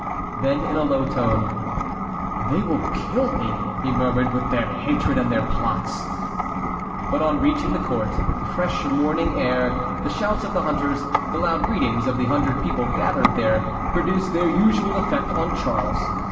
Then in a low tone: "They will kill me," he murmured, "with their hatred and their plots." But on reaching the court the fresh morning air, the shouts of the hunters, the loud greetings of the hundred people gathered there, produced their usual effect on Charles.